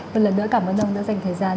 một lần nữa cảm ơn ông đã dành thời gian